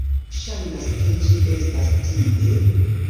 Ŝajnas, ke ĝi estas tie